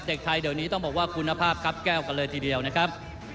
เด็กไทยเดี๋ยวนี้ต้องบอกว่าคุณภาพครับแก้วกันเลยทีเดียวนะครับ